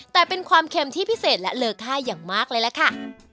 แต่เป็นความเค็มที่พิเศษและเลอค่าอย่างมากเลยล่ะค่ะ